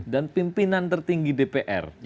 dan pimpinan tertinggi dpr